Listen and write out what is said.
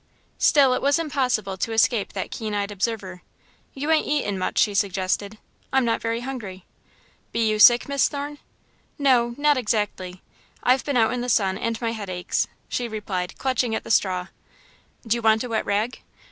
Still, it was impossible to escape that keen eyed observer. "You ain't eatin' much," she suggested. "I'm not very hungry." "Be you sick, Miss Thorne?" "No not exactly. I've been out in the sun and my head aches," she replied, clutching at the straw. "Do you want a wet rag?"